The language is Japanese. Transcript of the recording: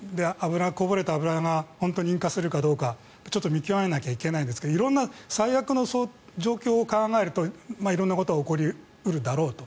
こぼれた油が本当に引火するかどうか見極めなきゃいけないですが最悪の状況を考えると色んなことが起こり得るだろうと。